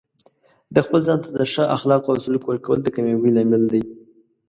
د خپل ځان ته د ښه اخلاقو او سلوک ورکول د کامیابۍ لامل دی.